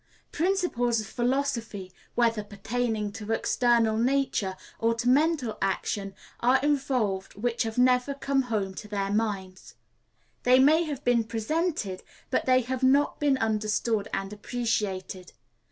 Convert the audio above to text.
Principles of philosophy, whether pertaining to external nature or to mental action, are involved which have never come home to their minds. They may have been presented, but they have not been understood and appreciated.